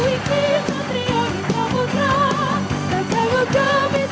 jiwa satria kembali di jorok tempat